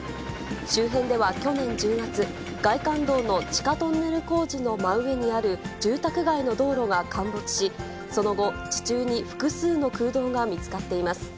周辺では去年１０月、外環道の地下トンネル工事の真上にある住宅街の道路が陥没し、その後、地中に複数の空洞が見つかっています。